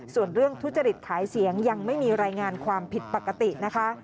ส่วนเรื่องทุจริตขายเสียงยังไม่มีรายงานความผิดปกตินะคะ